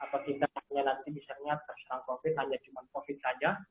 apa tindakannya nanti misalnya terserang covid sembilan belas hanya cuma covid sembilan belas saja